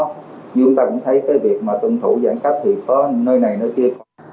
nhưng chúng ta cũng thấy cái việc mà tuân thủ giãn cách thì có nơi này nơi kia